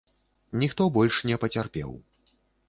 Ніхто больш не пацярпеў.